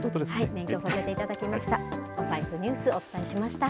勉強させていただきました。